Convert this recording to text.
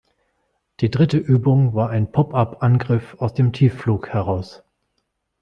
Die dritte Übung war ein Pop-up-Angriff aus dem Tiefflug heraus.